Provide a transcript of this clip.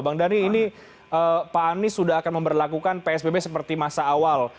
bang dhani ini pak anies sudah akan memperlakukan psbb seperti masa awal